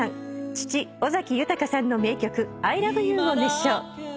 父尾崎豊さんの名曲『ＩＬＯＶＥＹＯＵ』を熱唱。